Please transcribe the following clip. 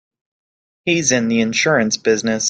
He's in the insurance business.